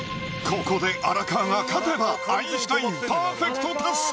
ここで荒川が勝てばアインシュタインパーフェクト達成！